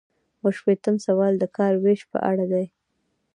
اووه شپیتم سوال د کار ویش په اړه دی.